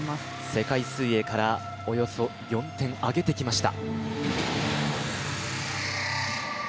世界水泳からおよそ４点、上げてきました。